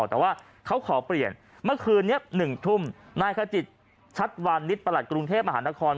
แต่ว่าเขาขอเปลี่ยนเมื่อคืนนี้๑ทุ่มนายขจิตชัดวานิดประหลัดกรุงเทพมหานคร